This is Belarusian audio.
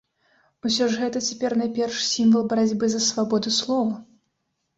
Усё ж гэта цяпер найперш сімвал барацьбы за свабоду слова.